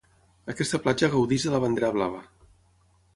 Aquesta platja gaudeix de la bandera blava.